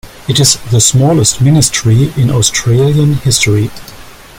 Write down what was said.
It is the smallest ministry in Australian history.